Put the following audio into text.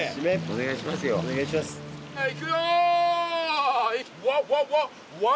お願いしますよ。